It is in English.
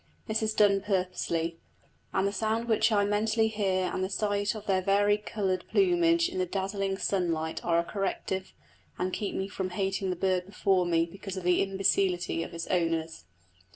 This is done purposely, and the sound which I mentally hear and the sight of their vari coloured plumage in the dazzling sunlight are a corrective, and keep me from hating the bird before me because of the imbecility of its owners.